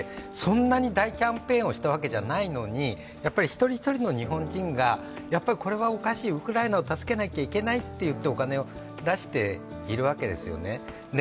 そんなに大キャンペーンをしたわけではないのに、やはり一人一人の日本人が、これはおかしい、ウクライナを助けなければいけないといってお金を出しているわけですよね。